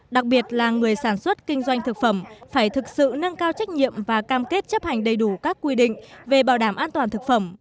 đặc biệt là người sản xuất kinh doanh thực phẩm phải thực sự nâng cao trách nhiệm và cam kết chấp hành đầy đủ các quy định về bảo đảm an toàn thực phẩm